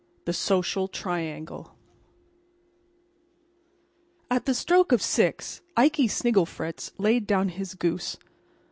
THE SOCIAL TRIANGLE At the stroke of six Ikey Snigglefritz laid down his goose.